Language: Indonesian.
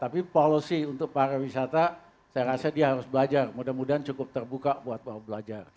tapi policy untuk para wisata saya rasa dia harus belajar mudah mudahan cukup terbuka buat belajar